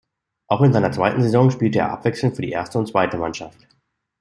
Auch in seiner zweiten Saison spielte er abwechselnd für die erste und zweite Mannschaft.